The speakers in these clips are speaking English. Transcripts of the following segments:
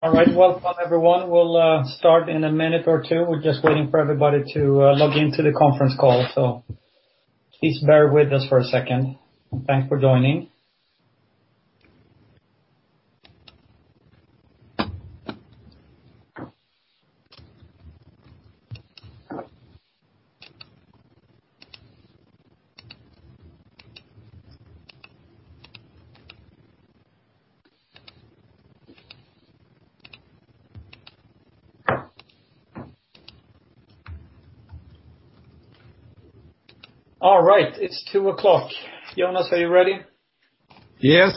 All right. Everyone, we'll start in a minute or two. We're just waiting for everybody to log into the conference call, so please bear with us for a second. Thanks for joining. All right. It's 2:00. Jonas, are you ready? Yes.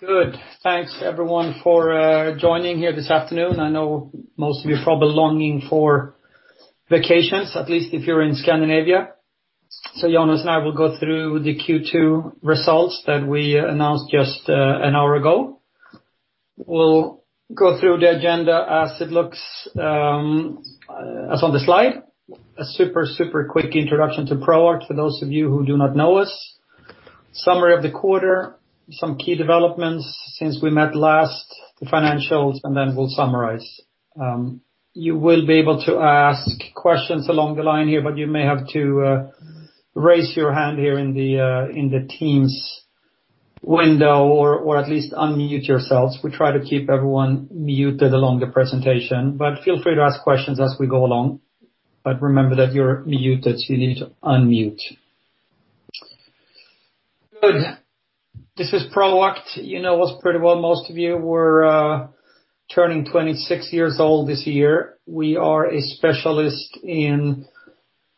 Good. Thanks, everyone, for joining here this afternoon. I know most of you are probably longing for vacations, at least if you're in Scandinavia. Jonas and I will go through the Q2 results that we announced just an hour ago. We'll go through the agenda as it looks on the slide. A super, super quick introduction to Proact for those of you who do not know us. Summary of the quarter, some key developments since we met last, the financials, and then we'll summarize. You will be able to ask questions along the line here, but you may have to raise your hand here in the Teams window or at least unmute yourselves. We try to keep everyone muted along the presentation, but feel free to ask questions as we go along. Remember that you're muted. You need to unmute. Good. This is Proact. You know us pretty well. Most of you were turning 26 years old this year. We are a specialist in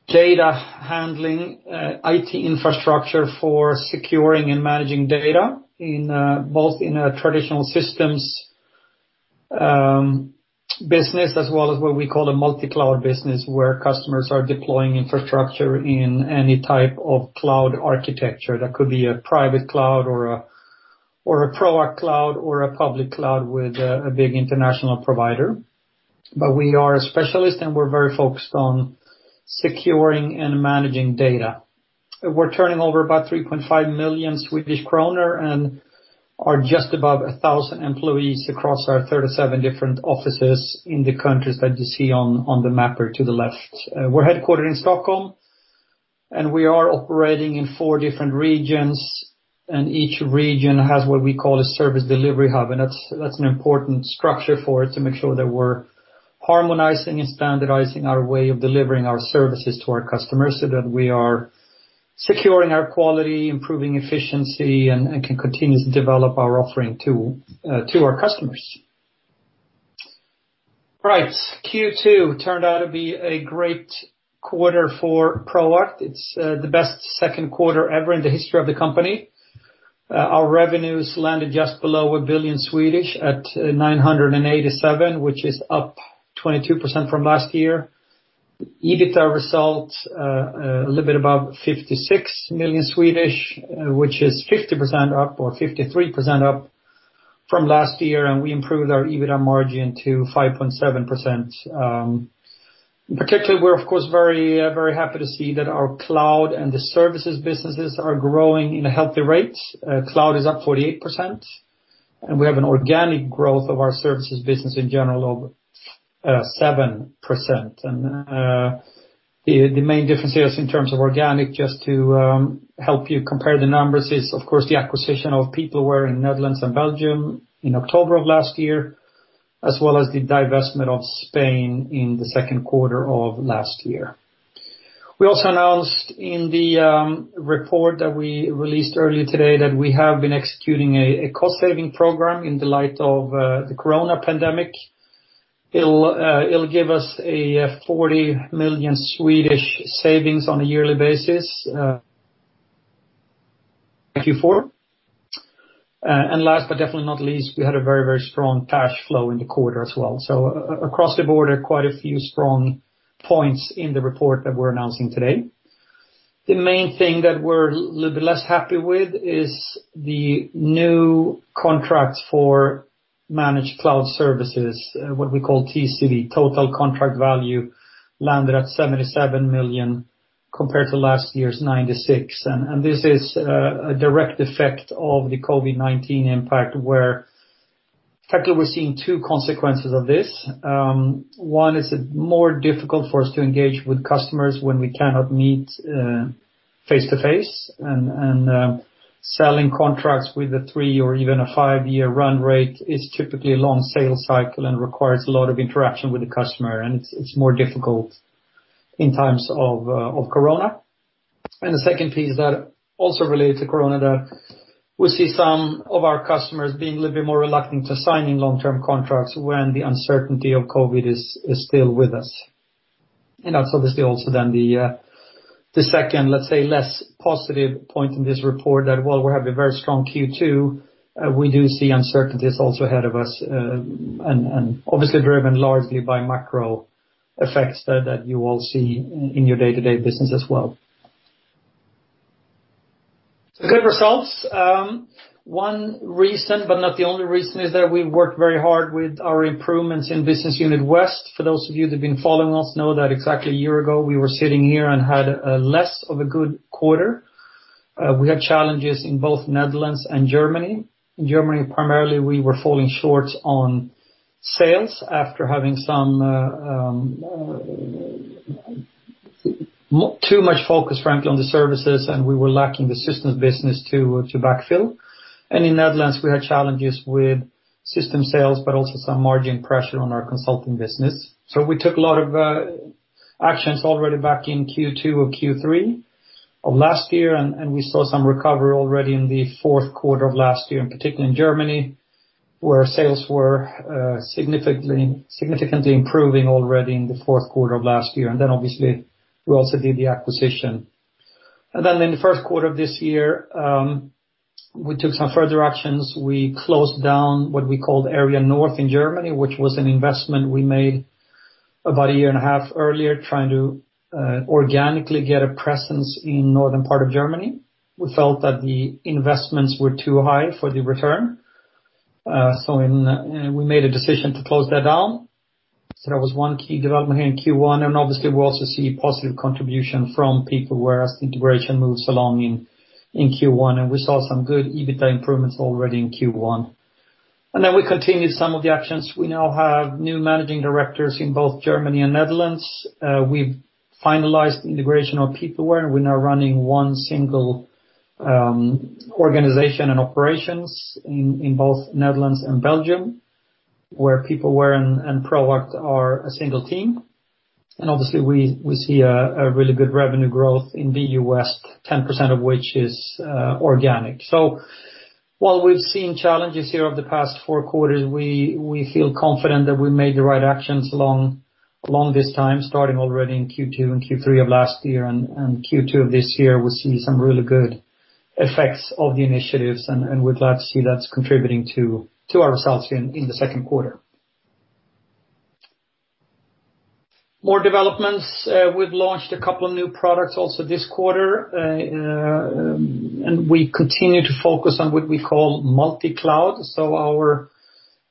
data handling, IT infrastructure for securing and managing data both in a traditional systems business as well as what we call a multi-cloud business where customers are deploying infrastructure in any type of cloud architecture. That could be a private cloud or a Proact cloud or a public cloud with a big international provider. We are a specialist, and we're very focused on securing and managing data. We're turning over about 3.5 million Swedish kronor and are just above 1,000 employees across our 37 different offices in the countries that you see on the mapper to the left. We're headquartered in Stockholm, and we are operating in four different regions, and each region has what we call a service delivery hub. That is an important structure for us to make sure that we are harmonizing and standardizing our way of delivering our services to our customers so that we are securing our quality, improving efficiency, and can continue to develop our offering to our customers. All right. Q2 turned out to be a great quarter for Proact. It is the best second quarter ever in the history of the company. Our revenues landed just below a billion Swedish kronor at 987 million, which is up 22% from last year. EBITDA result a little bit above 56 million, which is 50% up or 53% up from last year, and we improved our EBITDA margin to 5.7%. In particular, we are, of course, very, very happy to see that our cloud and the services businesses are growing at a healthy rate. Cloud is up 48%, and we have an organic growth of our services business in general of 7%. The main difference here in terms of organic, just to help you compare the numbers, is, of course, the acquisition of PeopleWare in Netherlands and Belgium in October of last year, as well as the divestment of Spain in the second quarter of last year. We also announced in the report that we released earlier today that we have been executing a cost-saving program in the light of the corona pandemic. It'll give us a 40 million savings on a yearly basis Q4. Last but definitely not least, we had a very, very strong cash flow in the quarter as well. Across the board, there are quite a few strong points in the report that we're announcing today. The main thing that we're a little bit less happy with is the new contracts for managed cloud services, what we call TCV. Total contract value landed at 77 million compared to last year's 96 million. This is a direct effect of the COVID-19 impact where technically we're seeing two consequences of this. One is it's more difficult for us to engage with customers when we cannot meet face-to-face, and selling contracts with a three or even a five-year run rate is typically a long sales cycle and requires a lot of interaction with the customer, and it's more difficult in times of corona. The second piece that also relates to corona is that we see some of our customers being a little bit more reluctant to sign long-term contracts when the uncertainty of COVID is still with us. That is obviously also then the second, let's say, less positive point in this report that while we have a very strong Q2, we do see uncertainties also ahead of us, and obviously driven largely by macro effects that you all see in your day-to-day business as well. Good results. One reason, but not the only reason, is that we've worked very hard with our improvements in Business Unit West. For those of you that have been following us, know that exactly a year ago we were sitting here and had less of a good quarter. We had challenges in both Netherlands and Germany. In Germany, primarily, we were falling short on sales after having too much focus, frankly, on the services, and we were lacking the systems business to backfill. In Netherlands, we had challenges with system sales, but also some margin pressure on our consulting business. We took a lot of actions already back in Q2 or Q3 of last year, and we saw some recovery already in the fourth quarter of last year, particularly in Germany, where sales were significantly improving already in the fourth quarter of last year. Obviously, we also did the acquisition. In the first quarter of this year, we took some further actions. We closed down what we called Area North in Germany, which was an investment we made about a year and a half earlier, trying to organically get a presence in the northern part of Germany. We felt that the investments were too high for the return, so we made a decision to close that down. That was one key development here in Q1. We also see positive contribution from PeopleWare as the integration moves along in Q1, and we saw some good EBITDA improvements already in Q1. We continued some of the actions. We now have new managing directors in both Germany and Netherlands. We have finalized the integration of PeopleWare, and we are now running one single organization and operations in both Netherlands and Belgium, where PeopleWare and Proact are a single team. We see really good revenue growth in the U.S., 10% of which is organic. While we have seen challenges here over the past four quarters, we feel confident that we made the right actions along this time, starting already in Q2 and Q3 of last year. In Q2 of this year, we see some really good effects of the initiatives, and we're glad to see that's contributing to our results here in the second quarter. More developments. We've launched a couple of new products also this quarter, and we continue to focus on what we call multi-cloud. Our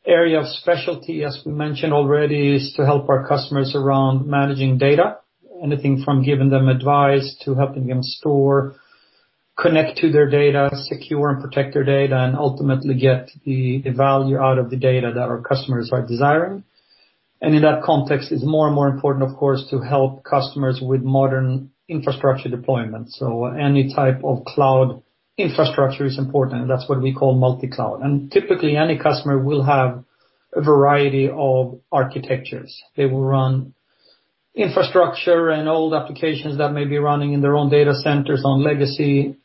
area of specialty, as we mentioned already, is to help our customers around managing data, anything from giving them advice to helping them store, connect to their data, secure and protect their data, and ultimately get the value out of the data that our customers are desiring. In that context, it's more and more important, of course, to help customers with modern infrastructure deployment. Any type of cloud infrastructure is important, and that's what we call multi-cloud. Typically, any customer will have a variety of architectures. They will run infrastructure and old applications that may be running in their own data centers on legacy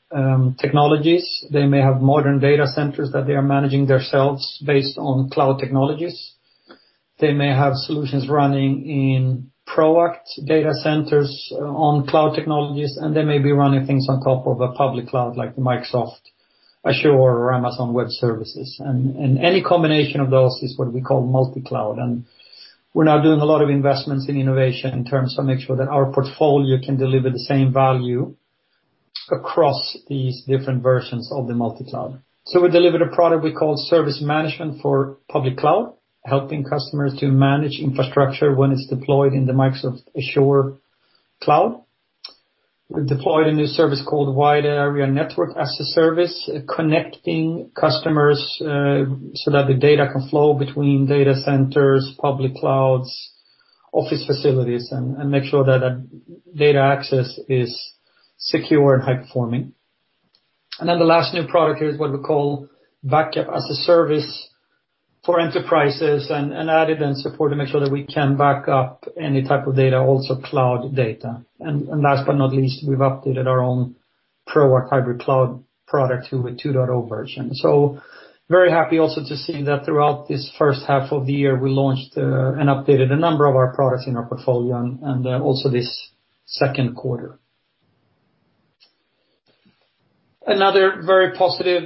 technologies. They may have modern data centers that they are managing themselves based on cloud technologies. They may have solutions running in Proact data centers on cloud technologies, and they may be running things on top of a public cloud like Microsoft Azure or Amazon Web Services. Any combination of those is what we call multi-cloud. We are now doing a lot of investments in innovation in terms of making sure that our portfolio can deliver the same value across these different versions of the multi-cloud. We delivered a product we call Service Management for Public Cloud, helping customers to manage infrastructure when it's deployed in the Microsoft Azure cloud. We've deployed a new service called Wide Area Network as a Service, connecting customers so that the data can flow between data centers, public clouds, office facilities, and make sure that data access is secure and high-performing. The last new product here is what we call Backup as a Service for Enterprises and added and supported to make sure that we can back up any type of data, also cloud data. Last but not least, we've updated our own Proact Hybrid Cloud product to a 2.0 version. Very happy also to see that throughout this first half of the year, we launched and updated a number of our products in our portfolio and also this second quarter. Another very positive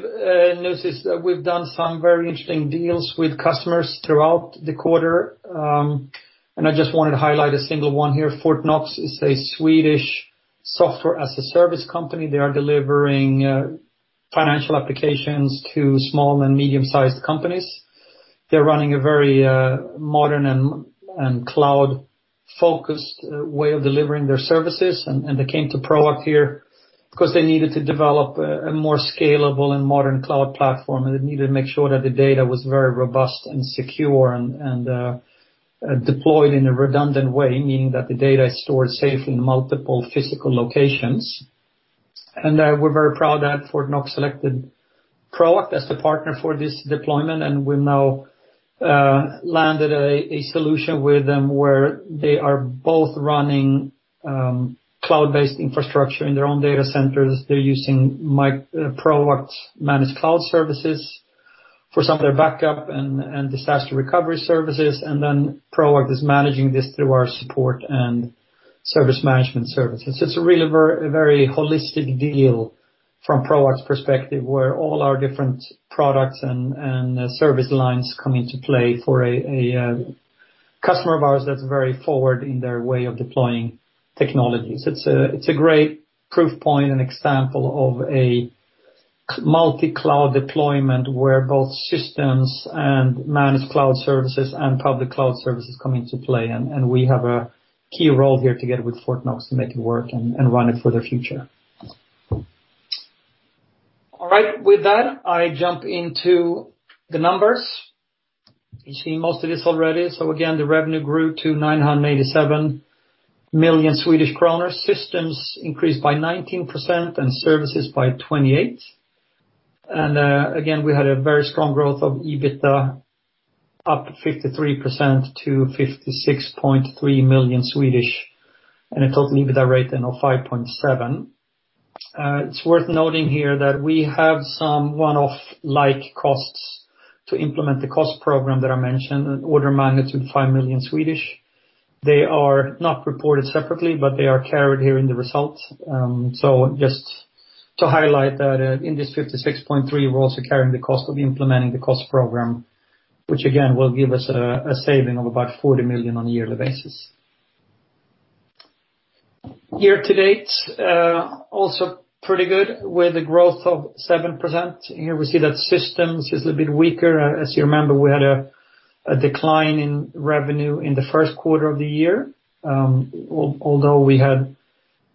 news is that we've done some very interesting deals with customers throughout the quarter. I just wanted to highlight a single one here. Fort Knox is a Swedish software as a service company. They are delivering financial applications to small and medium-sized companies. They're running a very modern and cloud-focused way of delivering their services. They came to Proact here because they needed to develop a more scalable and modern cloud platform, and they needed to make sure that the data was very robust and secure and deployed in a redundant way, meaning that the data is stored safely in multiple physical locations. We're very proud that Fort Knox selected Proact as the partner for this deployment, and we've now landed a solution with them where they are both running cloud-based infrastructure in their own data centers. They're using Proact's managed cloud services for some of their backup and disaster recovery services, and Proact is managing this through our support and service management services. It's really a very holistic deal from Proact's perspective where all our different products and service lines come into play for a customer of ours that's very forward in their way of deploying technologies. It's a great proof point and example of a multi-cloud deployment where both systems and managed cloud services and public cloud services come into play, and we have a key role here together with Fort Knox to make it work and run it for the future. All right. With that, I jump into the numbers. You've seen most of this already. Again, the revenue grew to 987 million Swedish kronor, systems increased by 19%, and services by 28%. Again, we had a very strong growth of EBITDA up 53% to 56.3 million and a total EBITDA rate of 5.7%. It's worth noting here that we have some one-off-like costs to implement the cost program that I mentioned, an order of magnitude 5 million. They are not reported separately, but they are carried here in the results. Just to highlight that in this 56.3%, we're also carrying the cost of implementing the cost program, which again will give us a saving of about 40 million on a yearly basis. Year-to-date, also pretty good with a growth of 7%. Here we see that systems is a little bit weaker. As you remember, we had a decline in revenue in the first quarter of the year, although we had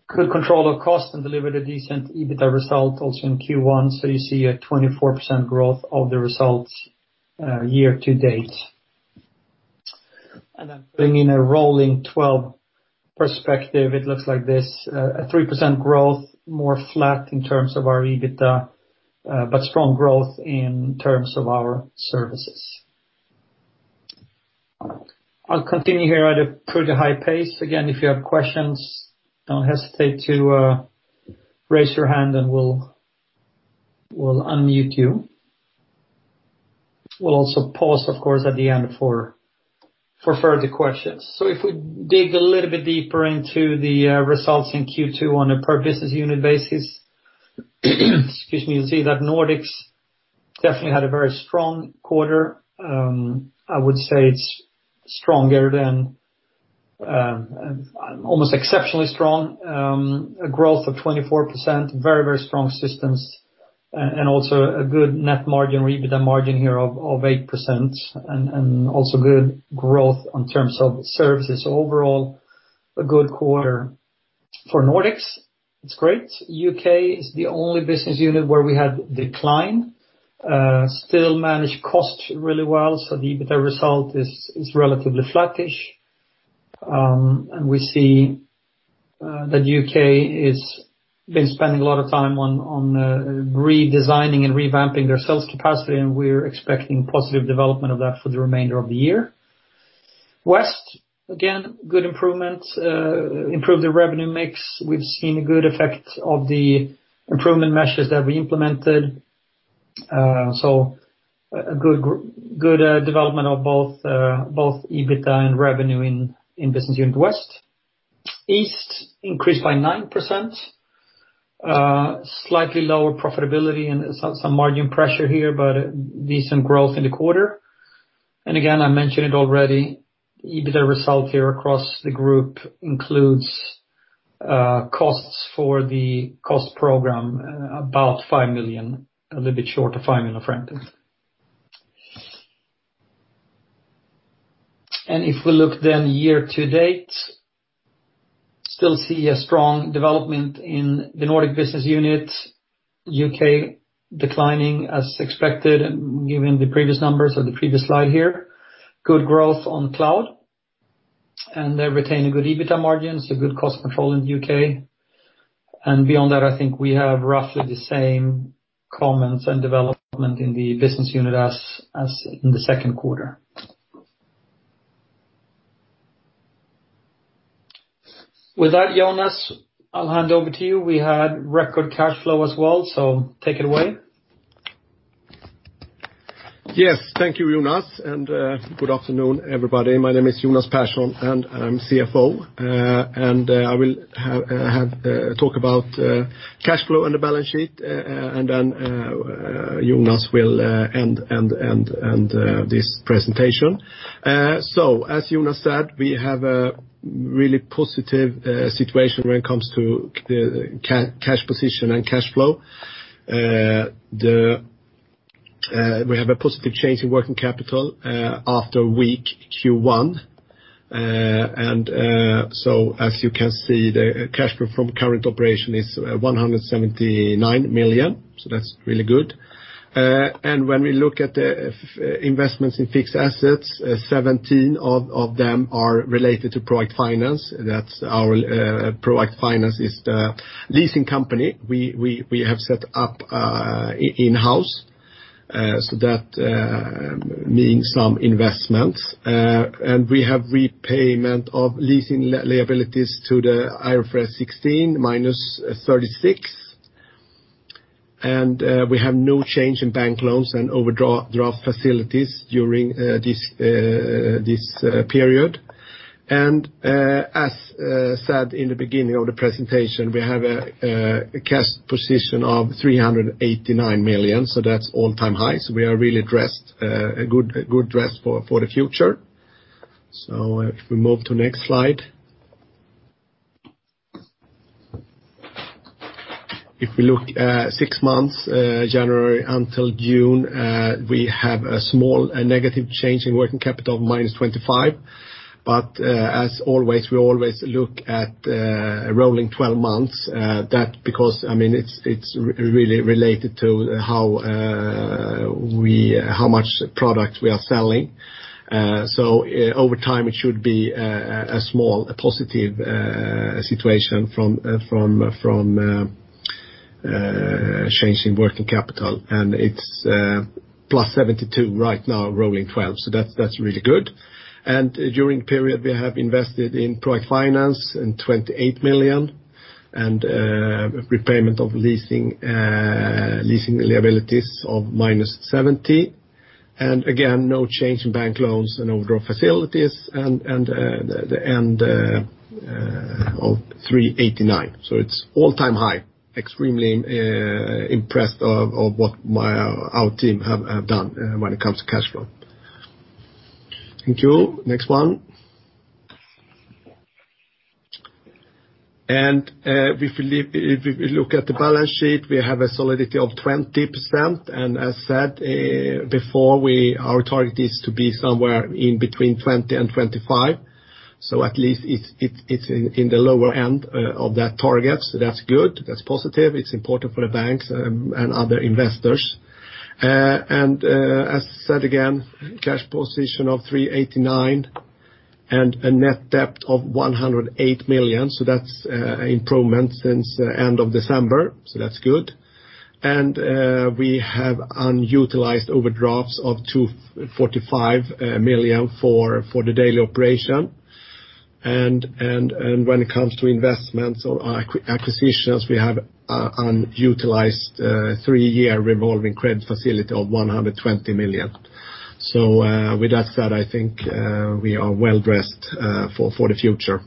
good control of cost and delivered a decent EBITDA result also in Q1. You see a 24% growth of the results year-to-date. Putting in a rolling 12 perspective, it looks like this: a 3% growth, more flat in terms of our EBITDA, but strong growth in terms of our services. I'll continue here at a pretty high pace. Again, if you have questions, don't hesitate to raise your hand, and we'll unmute you. We'll also pause, of course, at the end for further questions. If we dig a little bit deeper into the results in Q2 on a per-business unit basis, excuse me, you'll see that Nordics definitely had a very strong quarter. I would say it's stronger than almost exceptionally strong, a growth of 24%, very, very strong systems, and also a good net margin, EBITDA margin here of 8%, and also good growth in terms of services. Overall, a good quarter for Nordics. It's great. U.K. is the only business unit where we had decline, still managed costs really well. The EBITDA result is relatively flattish. We see that U.K. has been spending a lot of time on redesigning and revamping their sales capacity, and we are expecting positive development of that for the remainder of the year. West, again, good improvements, improved the revenue mix. We have seen a good effect of the improvement measures that we implemented. A good development of both EBITDA and revenue in business unit West. East increased by 9%, slightly lower profitability and some margin pressure here, but decent growth in the quarter. I mentioned it already, the EBITDA result here across the group includes costs for the cost program, about 5 million, a little bit short of SEK 5 million, frankly. If we look then year-to-date, still see a strong development in the Nordic business unit. U.K. declining as expected, given the previous numbers or the previous slide here. Good growth on cloud, and they retain a good EBITDA margin, so good cost control in the U.K. Beyond that, I think we have roughly the same comments and development in the business unit as in the second quarter. With that, Jonas, I'll hand over to you. We had record cash flow as well, so take it away. Yes, thank you, Jonas, and good afternoon, everybody. My name is Jonas Persson, and I'm CFO. I will talk about cash flow and the balance sheet, and then Jonas will end this presentation. As Jonas said, we have a really positive situation when it comes to the cash position and cash flow. We have a positive change in working capital after week Q1. As you can see, the cash flow from current operation is 179 million, so that's really good. When we look at the investments in fixed assets, 17 of them are related to Proact Finance. That's our Proact Finance is the leasing company we have set up in-house. That means some investments. We have repayment of leasing liabilities to the IFRS 16 -36 million. We have no change in bank loans and overdraft facilities during this period. As said in the beginning of the presentation, we have a cash position of 389 million, so that's all-time high. We are really dressed, a good dress for the future. If we move to the next slide. If we look at six months, January until June, we have a small negative change in working capital of -25 million. As always, we always look at rolling 12 months. That's because, I mean, it's really related to how much product we are selling. Over time, it should be a small positive situation from changing working capital. It's plus 72 million right now, rolling 12. That's really good. During the period, we have invested in Proact Finance and 28 million and repayment of leasing liabilities of -70 million. Again, no change in bank loans and overdraft facilities and the end of 389 million. It's all-time high. Extremely impressed of what our team have done when it comes to cash flow. Thank you. Next one. If we look at the balance sheet, we have a solidity of 20%. As said before, our target is to be somewhere in between 20% and 25%. At least it's in the lower end of that target. That's good. That's positive. It's important for the banks and other investors. As said again, cash position of 389 million and a net debt of 108 million. That's an improvement since the end of December. That's good. We have unutilized overdrafts of 245 million for the daily operation. When it comes to investments or acquisitions, we have unutilized three-year revolving credit facility of 120 million. With that said, I think we are well dressed for the future.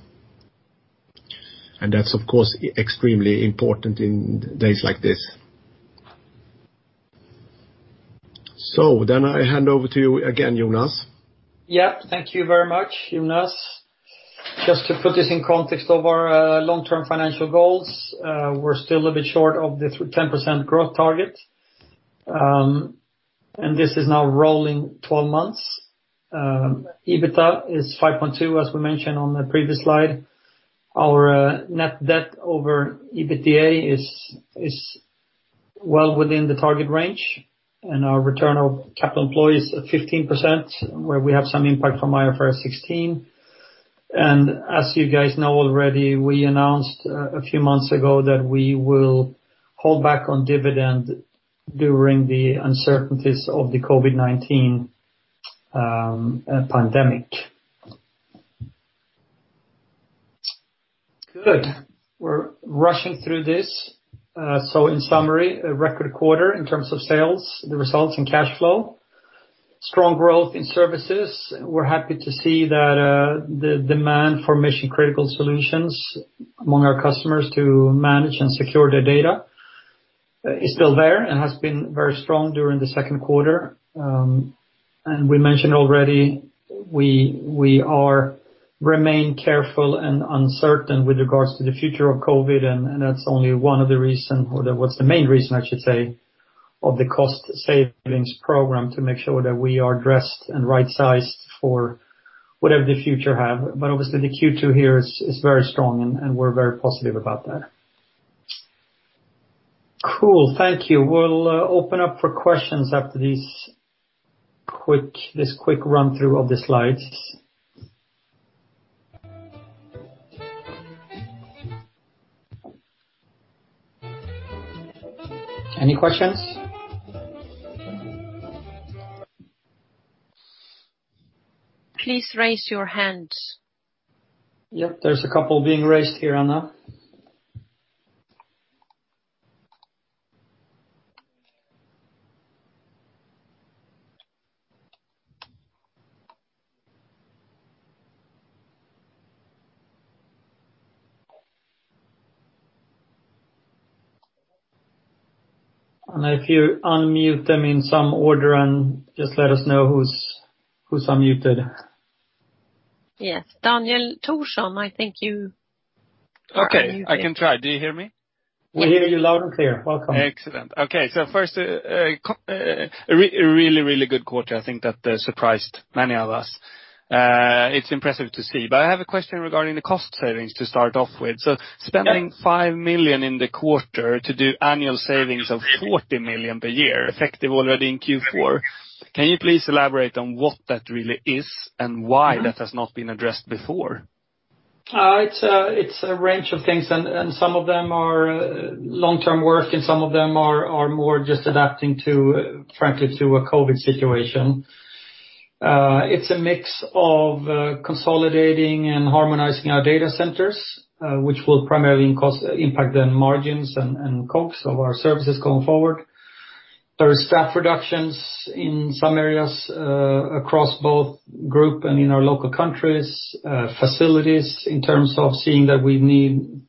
That is, of course, extremely important in days like this. I hand over to you again, Jonas. Yep. Thank you very much, Jonas. Just to put this in context of our long-term financial goals, we're still a bit short of the 10% growth target. This is now rolling 12 months. EBITDA is 5.2, as we mentioned on the previous slide. Our net debt over EBITDA is well within the target range. Our return of capital employees is 15%, where we have some impact from IFRS 16. As you guys know already, we announced a few months ago that we will hold back on dividend during the uncertainties of the COVID-19 pandemic. Good. We're rushing through this. In summary, a record quarter in terms of sales, the results, and cash flow. Strong growth in services. We're happy to see that the demand for mission-critical solutions among our customers to manage and secure their data is still there and has been very strong during the second quarter. We mentioned already, we remain careful and uncertain with regards to the future of COVID. That was the main reason, I should say, of the cost savings program to make sure that we are dressed and right-sized for whatever the future has. Obviously, the Q2 here is very strong, and we're very positive about that. Cool. Thank you. We'll open up for questions after this quick run-through of the slides. Any questions? Please raise your hand. Yep. There's a couple being raised here, Anna. If you unmute them in some order, just let us know who's unmuted. Yes. Daniel Thorsson, I think you are unmuted. Okay. I can try. Do you hear me? We hear you loud and clear. Welcome. Excellent. Okay. First, a really, really good quarter. I think that surprised many of us. It's impressive to see. I have a question regarding the cost savings to start off with. Spending 5 million in the quarter to do annual savings of 40 million per year, effective already in Q4. Can you please elaborate on what that really is and why that has not been addressed before? It's a range of things. Some of them are long-term work, and some of them are more just adapting to, frankly, to a COVID situation. It's a mix of consolidating and harmonizing our data centers, which will primarily impact the margins and costs of our services going forward. There are staff reductions in some areas across both group and in our local countries, facilities in terms of seeing that we need,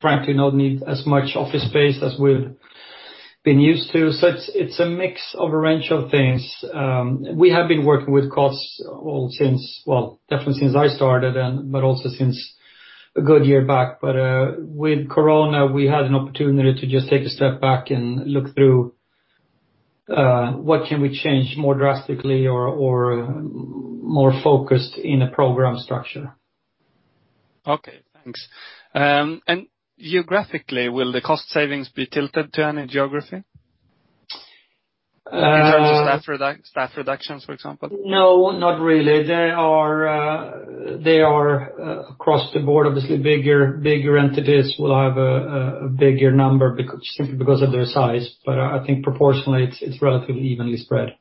frankly, not need as much office space as we've been used to. It's a mix of a range of things. We have been working with costs all since, definitely since I started, but also since a good year back. With Corona, we had an opportunity to just take a step back and look through what can we change more drastically or more focused in a program structure. Okay. Thanks. Geographically, will the cost savings be tilted to any geography in terms of staff reductions, for example? No, not really. They are across the board, obviously. Bigger entities will have a bigger number simply because of their size. I think proportionally, it's relatively evenly spread.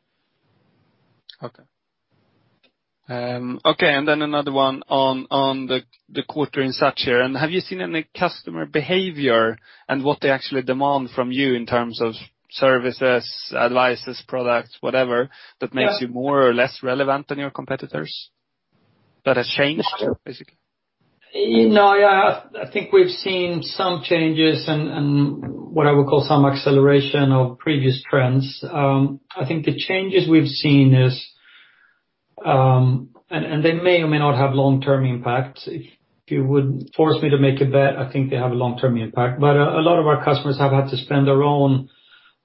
Okay. Okay. Another one on the quarter in such year. Have you seen any customer behavior and what they actually demand from you in terms of services, advice, products, whatever that makes you more or less relevant than your competitors that have changed, basically? No. I think we've seen some changes and what I would call some acceleration of previous trends. I think the changes we've seen is, and they may or may not have long-term impact. If you would force me to make a bet, I think they have a long-term impact. A lot of our customers have had to spend their own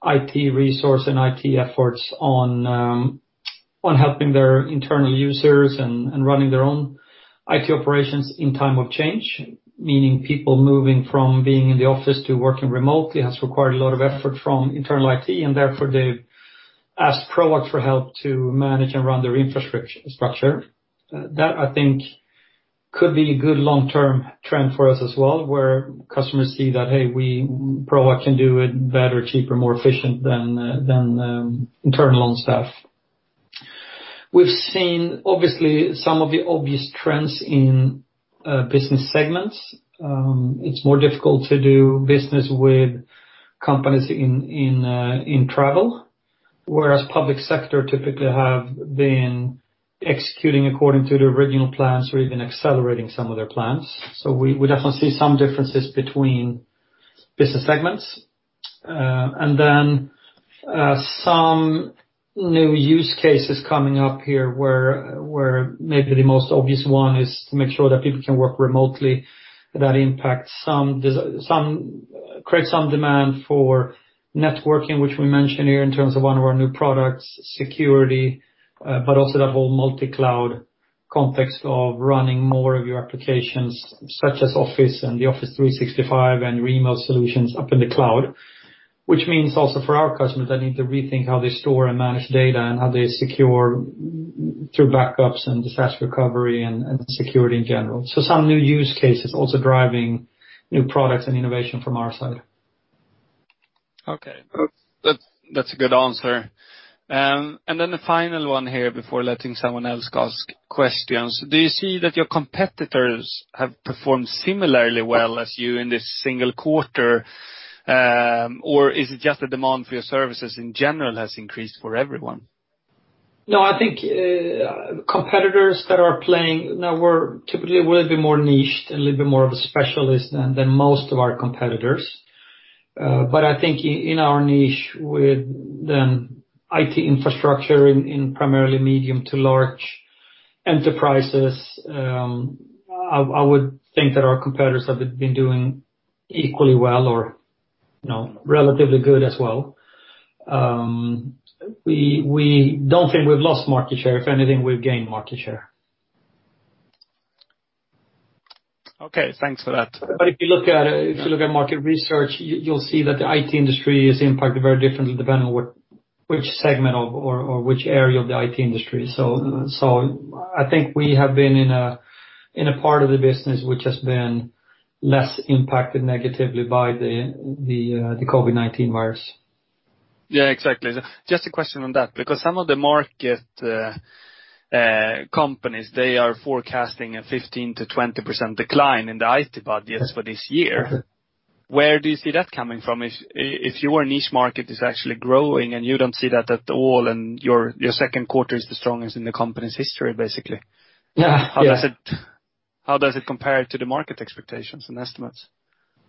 IT resource and IT efforts on helping their internal users and running their own IT operations in time of change, meaning people moving from being in the office to working remotely has required a lot of effort from internal IT. Therefore, they've asked Proact for help to manage and run their infrastructure. That, I think, could be a good long-term trend for us as well, where customers see that, "Hey, Proact can do it better, cheaper, more efficient than internal staff." We've seen, obviously, some of the obvious trends in business segments. It's more difficult to do business with companies in travel, whereas public sector typically have been executing according to the original plans or even accelerating some of their plans. We definitely see some differences between business segments. There are some new use cases coming up here, where maybe the most obvious one is to make sure that people can work remotely. That impacts and creates some demand for networking, which we mentioned here in terms of one of our new products, security, but also that whole multi-cloud context of running more of your applications, such as Office and the Office 365 and your email solutions up in the cloud. This means also for our customers that they need to rethink how they store and manage data and how they secure through backups and disaster recovery and security in general. Some new use cases are also driving new products and innovation from our side. Okay. That's a good answer. The final one here before letting someone else ask questions. Do you see that your competitors have performed similarly well as you in this single quarter, or is it just the demand for your services in general has increased for everyone? No. I think competitors that are playing now typically will be more niched and a little bit more of a specialist than most of our competitors. I think in our niche with IT infrastructure in primarily medium to large enterprises, I would think that our competitors have been doing equally well or relatively good as well. We don't think we've lost market share. If anything, we've gained market share. Okay. Thanks for that. If you look at market research, you'll see that the IT industry is impacted very differently depending on which segment or which area of the IT industry. I think we have been in a part of the business which has been less impacted negatively by the COVID-19 virus. Yeah. Exactly. Just a question on that. Because some of the market companies, they are forecasting a 15%-20% decline in the IT budgets for this year. Where do you see that coming from? If your niche market is actually growing and you do not see that at all and your second quarter is the strongest in the company's history, basically, how does it compare to the market expectations and estimates?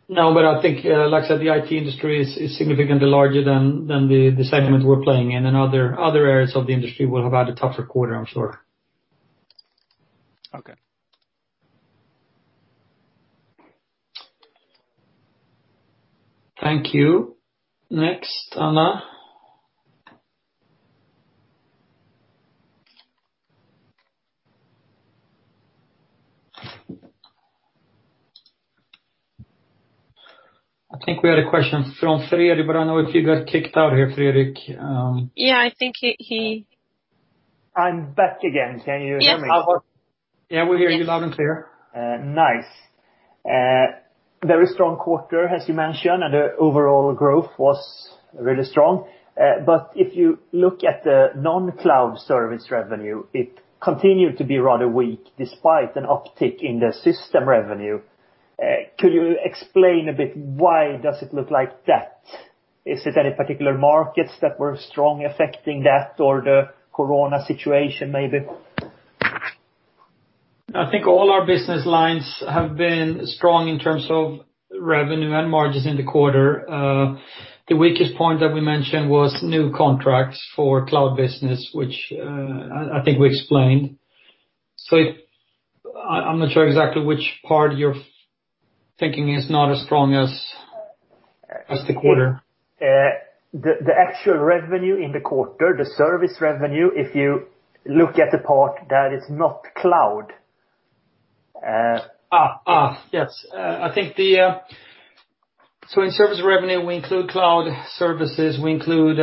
No. I think, like I said, the IT industry is significantly larger than the segment we're playing in. Other areas of the industry will have had a tougher quarter, I'm sure. Okay. Thank you. Next, Anna. I think we had a question from Frederik, but I do not know if you got kicked out here, Frederik. Yeah, I think he. I'm back again. Can you hear me? Yes. Yeah. We hear you loud and clear. Nice. Very strong quarter, as you mentioned, and the overall growth was really strong. If you look at the non-cloud service revenue, it continued to be rather weak despite an uptick in the system revenue. Could you explain a bit why does it look like that? Is it any particular markets that were strong affecting that or the Corona situation maybe? I think all our business lines have been strong in terms of revenue and margins in the quarter. The weakest point that we mentioned was new contracts for cloud business, which I think we explained. I'm not sure exactly which part you're thinking is not as strong as the quarter. The actual revenue in the quarter, the service revenue, if you look at the part that is not cloud. Yes. I think the so in service revenue, we include cloud services. We include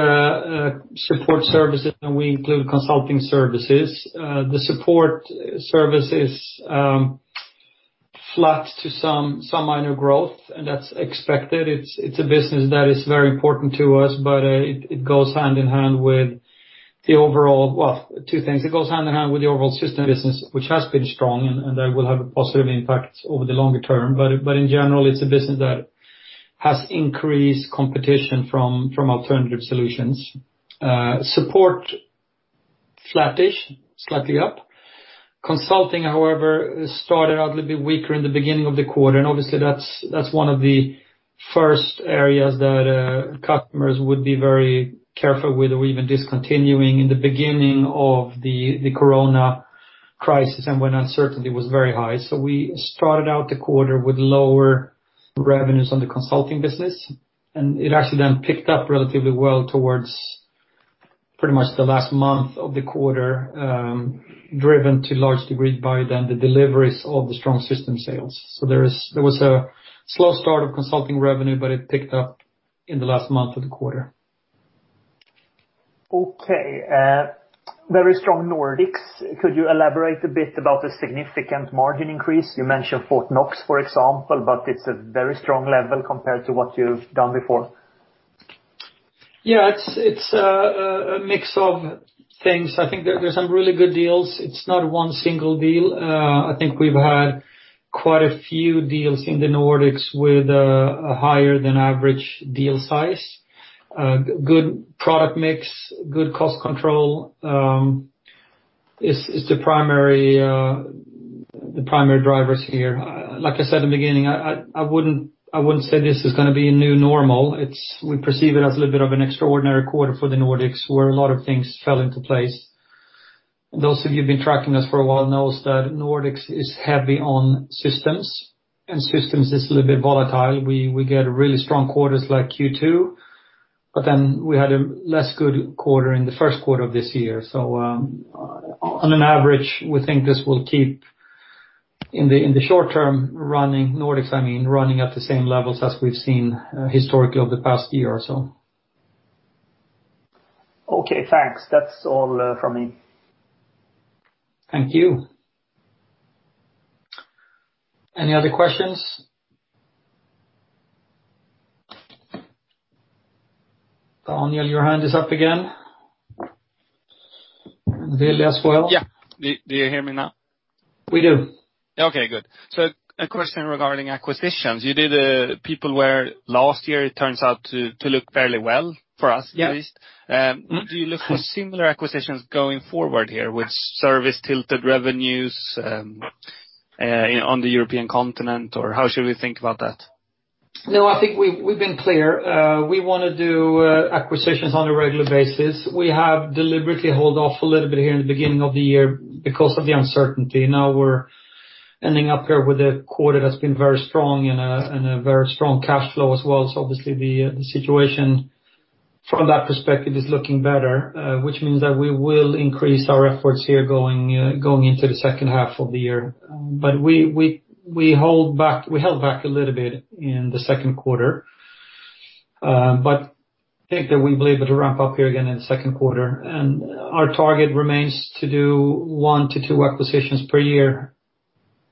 support services, and we include consulting services. The support service is flat to some minor growth, and that's expected. It's a business that is very important to us, but it goes hand in hand with the overall, well, two things. It goes hand in hand with the overall system business, which has been strong, and that will have a positive impact over the longer term. In general, it's a business that has increased competition from alternative solutions. Support, flattish, slightly up. Consulting, however, started out a little bit weaker in the beginning of the quarter. Obviously, that's one of the first areas that customers would be very careful with or even discontinuing in the beginning of the Corona crisis and when uncertainty was very high. We started out the quarter with lower revenues on the consulting business. It actually then picked up relatively well towards pretty much the last month of the quarter, driven to a large degree by then the deliveries of the strong system sales. There was a slow start of consulting revenue, but it picked up in the last month of the quarter. Okay. Very strong Nordics. Could you elaborate a bit about the significant margin increase? You mentioned Fort Knox, for example, but it's a very strong level compared to what you've done before. Yeah. It's a mix of things. I think there's some really good deals. It's not one single deal. I think we've had quite a few deals in the Nordics with a higher than average deal size. Good product mix, good cost control is the primary drivers here. Like I said in the beginning, I wouldn't say this is going to be a new normal. We perceive it as a little bit of an extraordinary quarter for the Nordics, where a lot of things fell into place. Those of you who've been tracking us for a while know that Nordics is heavy on systems, and systems is a little bit volatile. We get really strong quarters like Q2, but then we had a less good quarter in the first quarter of this year. On an average, we think this will keep, in the short term, running Nordics, I mean, running at the same levels as we've seen historically over the past year or so. Okay. Thanks. That's all from me. Thank you. Any other questions? Daniel, your hand is up again. Lilya as well. Yeah. Do you hear me now? We do. Okay. Good. A question regarding acquisitions. You did a PeopleWare last year, it turns out to look fairly well for us, at least. Do you look for similar acquisitions going forward here with service-tilted revenues on the European continent, or how should we think about that? No. I think we've been clear. We want to do acquisitions on a regular basis. We have deliberately held off a little bit here in the beginning of the year because of the uncertainty. Now we're ending up here with a quarter that's been very strong and a very strong cash flow as well. Obviously, the situation from that perspective is looking better, which means that we will increase our efforts here going into the second half of the year. We held back a little bit in the second quarter. I think that we believe it'll ramp up here again in the second quarter. Our target remains to do one to two acquisitions per year.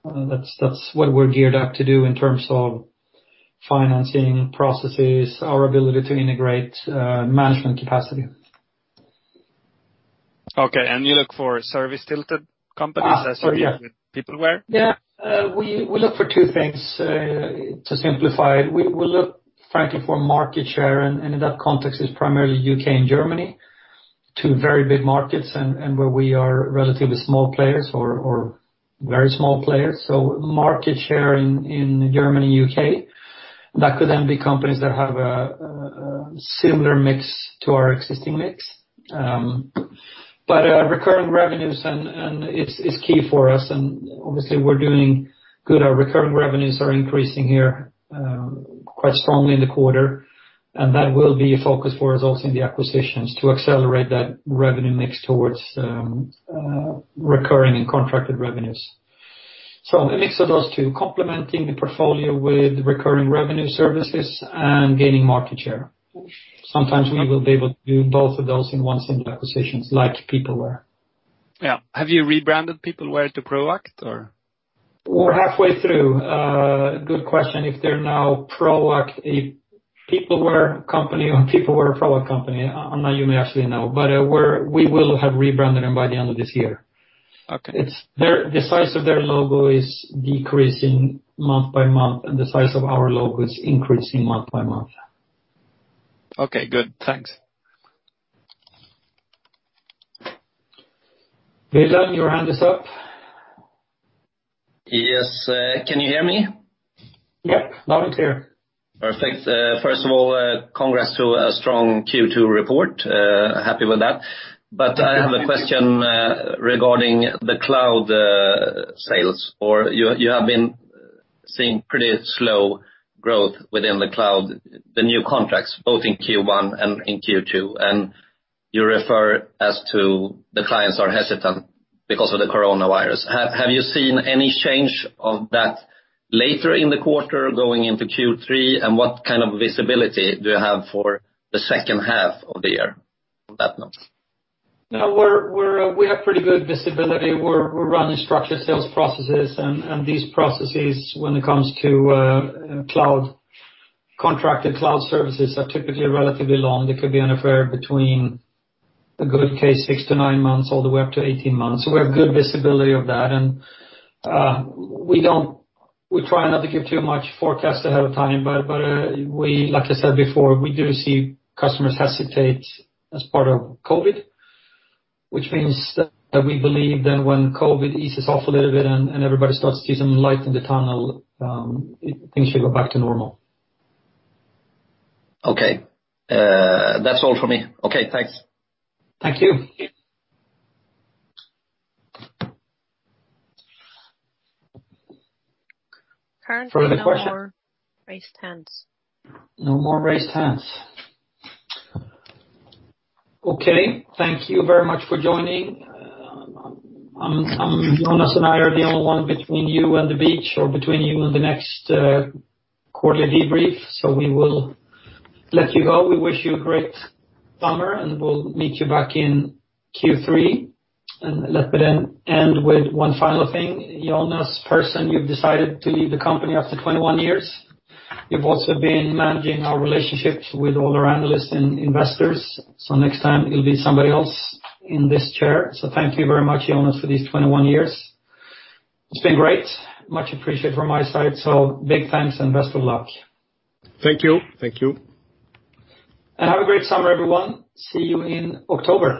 That's what we're geared up to do in terms of financing processes, our ability to integrate management capacity. Okay. You look for service-tilted companies as you do with PeopleWare? Yeah. We look for two things to simplify. We will look, frankly, for market share. In that context, it is primarily U.K. and Germany, two very big markets and where we are relatively small players or very small players. Market share in Germany and U.K., that could then be companies that have a similar mix to our existing mix. Recurring revenues, and it is key for us. Obviously, we are doing good. Our recurring revenues are increasing here quite strongly in the quarter. That will be a focus for us also in the acquisitions to accelerate that revenue mix towards recurring and contracted revenues. A mix of those two, complementing the portfolio with recurring revenue services and gaining market share. Sometimes we will be able to do both of those in one single acquisition like PeopleWare. Yeah. Have you rebranded PeopleWare to Proact, or? We're halfway through. Good question. If they're now Proact, a PeopleWare company or a PeopleWare Proact company, I don't even actually know. We will have rebranded them by the end of this year. The size of their logo is decreasing month by month, and the size of our logo is increasing month by month. Okay. Good. Thanks. Lila, your hand is up. Yes. Can you hear me? Yep. Loud and clear. Perfect. First of all, congrats to a strong Q2 report. Happy with that. I have a question regarding the cloud sales, or you have been seeing pretty slow growth within the cloud, the new contracts, both in Q1 and in Q2. You refer as to the clients are hesitant because of the coronavirus. Have you seen any change of that later in the quarter going into Q3? What kind of visibility do you have for the second half of the year on that note? No. We have pretty good visibility. We're running structured sales processes. These processes, when it comes to contracted cloud services, are typically relatively long. There could be an affair between, in a good case, 6-9 months all the way up to 18 months. We have good visibility of that. We try not to give too much forecast ahead of time. Like I said before, we do see customers hesitate as part of COVID, which means that we believe when COVID eases off a little bit and everybody starts to see some light in the tunnel, things should go back to normal. Okay. That's all from me. Okay. Thanks. Thank you. Currently no more raised hands. No more raised hands. Okay. Thank you very much for joining. Jonas and I are the only one between you and the beach or between you and the next quarterly debrief. We will let you go. We wish you a great summer, and we'll meet you back in Q3. Let me then end with one final thing. Jonas, first, you've decided to leave the company after 21 years. You've also been managing our relationships with all our analysts and investors. Next time, it'll be somebody else in this chair. Thank you very much, Jonas, for these 21 years. It's been great. Much appreciated from my side. Big thanks and best of luck. Thank you. Thank you. Have a great summer, everyone. See you in October.